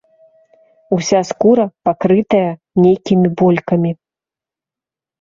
Уся скура пакрытая нейкімі болькамі.